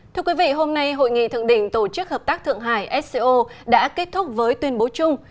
thưa quý vị hôm nay hội nghị thượng đỉnh tổ chức hợp tác thượng hải sco đã kết thúc với tuyên bố chung